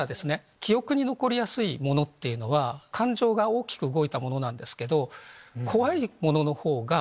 記憶に残りやすいものっていうのは感情が大きく動いたものなんですけど。